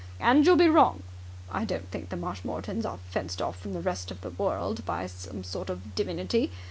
And you'll be wrong. I don't think the Marshmoretons are fenced off from the rest of the world by some sort of divinity.